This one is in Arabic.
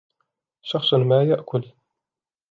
شخص ما يأكل.